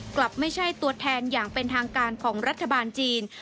กลับไม่ใช่ตัวแทนอย่างเป็นทางการของรัฐบาลจีน